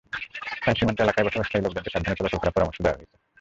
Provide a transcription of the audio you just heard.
তাই সীমান্ত এলাকায় বসবাসকারী লোকজনকে সাবধানে চলাফেরা করার পরামর্শ দেওয়া হয়েছে।